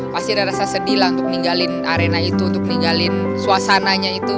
pasti ada rasa sedih lah untuk ninggalin arena itu untuk ninggalin suasananya itu